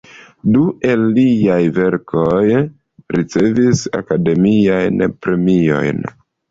Du el liaj verkoj ricevis akademiajn premiojn.